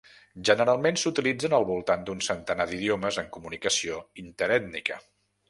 Generalment s'utilitzen al voltant d'un centenar d'idiomes en comunicació interètnica.